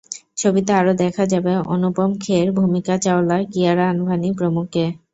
ছবিতে আরো দেখা যাবে অনুপম খের, ভূমিকা চাওলা, কিয়ারা আনভানি প্রমুখকে।